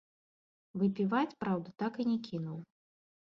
Выпіваць, праўда, так і не кінуў.